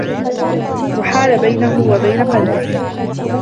وَحَالَ بَيْنَهُ وَبَيْنَ قَلْبِهِ